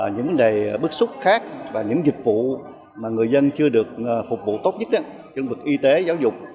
những vấn đề bức xúc khác và những dịch vụ mà người dân chưa được phục vụ tốt nhất trong vực y tế giáo dục